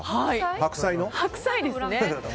白菜のですね。